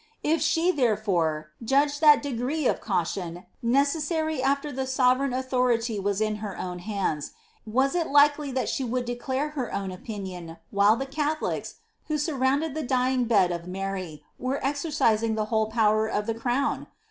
If, therefore, she judged thai degree of caution necessary after the sovereign authority was in her own hands, was it likely that she would d^lare her opinion while the CSi tholics, who surrounded the dying bed of Mary, were exercising the whole power of the crown